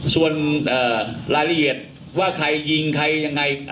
ส่วนรายละเอียดว่าใครยิงใครยังไง